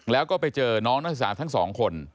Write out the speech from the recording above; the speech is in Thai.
แล้วก็ไปเจอน้องนักศึกษาทั้งสองคน